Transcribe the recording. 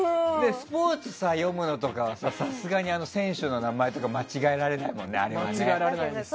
スポーツ読むのとかはさすがに選手の名前とかは間違えられないもんね。